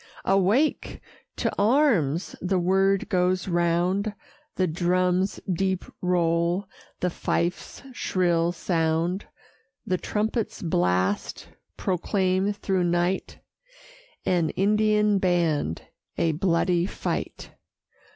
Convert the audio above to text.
Awake! to arms! the word goes round; The drum's deep roll, the fife's shrill sound, The trumpet's blast, proclaim through night, An Indian band, a bloody fight.